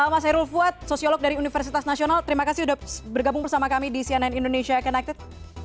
mas hairul fuad sosiolog dari universitas nasional terima kasih sudah bergabung bersama kami di cnn indonesia connected